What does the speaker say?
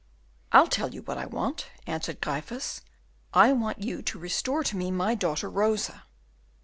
"I'll tell you what I want," answered Gryphus; "I want you to restore to me my daughter Rosa."